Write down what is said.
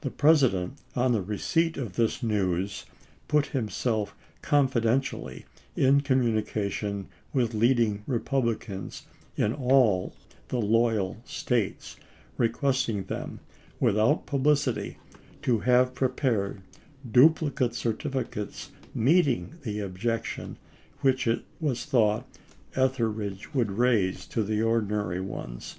The President, on the receipt of this news, put himself confidentially in communication with lead ing Republicans in all the loyal States, requesting them, without publicity, to have prepared duplicate certificates meeting the objection which it was thought Etheridge would raise to the ordinary ones.